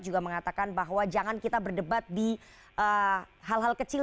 juga mengatakan bahwa jangan kita berdebat di hal hal kecil